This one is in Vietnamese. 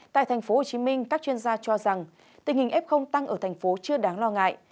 tại tp hcm các chuyên gia cho rằng tình hình f tăng ở tp hcm chưa đáng lo ngại